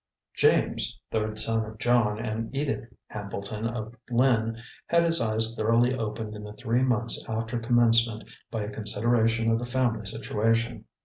James, third son of John and Edith Hambleton of Lynn, had his eyes thoroughly opened in the three months after Commencement by a consideration of the family situation.